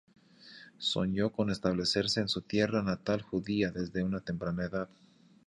Soñó con establecerse en su tierra natal judía desde una temprana edad.